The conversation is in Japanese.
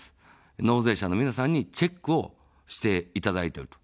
納税者の皆さんにチェックをしていただいていると。